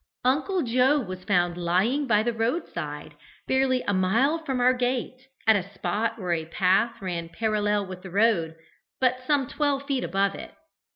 Uncle Joe was found lying by the roadside, barely a mile from our gate, at a spot where a path ran parallel with the road, but some twelve feet above it.